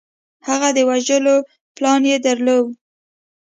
هغه د وژلو پلان یې درلود